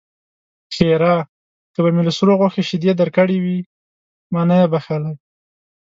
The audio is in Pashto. ښېرا: که به مې له سرو غوښو شيدې درکړې وي؛ ما نه يې بښلی.